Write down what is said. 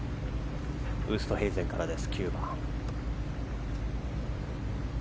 ９番ウーストヘイゼンからです。